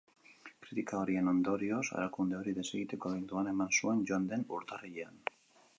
Kritika horien ondorioz, erakunde hori desegiteko aginduan eman zuen joan den urtarrilean.